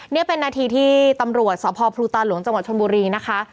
นี่เป็นนาทีที่ตำรวจสพพลูตาหลวงจังหวัดชนบุรีนะคะ